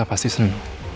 dia pasti seneng